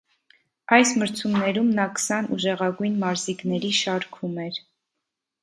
Այս մրցումներում նա քսան ուժեղագույն մարզիկների շարքում էր։